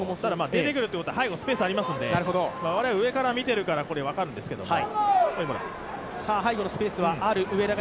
出てくるということは背後にスペースがありますので、我々は上から見ているから分かるんだけども。